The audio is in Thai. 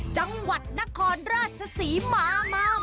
จังหวัดนครราชศรีมามา